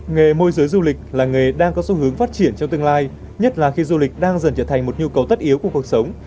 nghề môi giới du lịch là nghề đang có xu hướng phát triển trong tương lai nhất là khi du lịch đang dần trở thành một nhu cầu tất yếu của cuộc sống